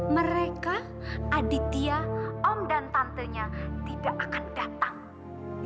mereka aditya om dan tantenya tidak akan datang